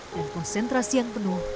dan konsentrasi yang penuh